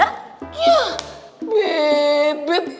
yah beb beb